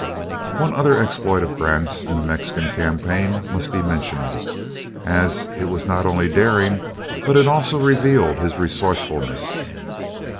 One other exploit of Grant's in the Mexican campaign must be mentioned, as it was not only daring, but it also revealed his resourcefulness.